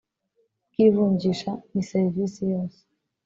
bw ivunjisha ni serivisi yose